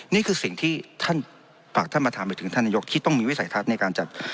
นี่คือสิ่งที่ท่านฝากท่านประธานไปถึงท่านนายกที่ต้องมีวิสัยทัศน์ในการจัด